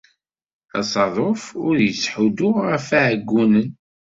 Asaḍuf ur yettḥuddu ɣef iɛeggunen.